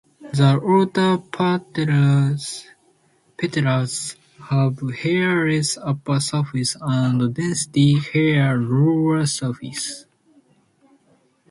The outer petals have hairless upper surfaces and densely hairy lower surfaces.